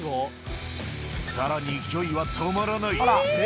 さらに勢いは止まらない。